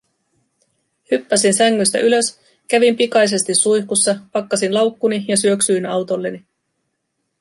Hyppäsin sängystä ylös, kävin pikaisesti suihkussa, pakkasin laukkuni ja syöksyn autolleni.